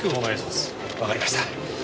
わかりました。